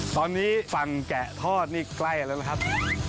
ตอนนี้ฝั่งแกะทอดนี่ใกล้แล้วนะครับ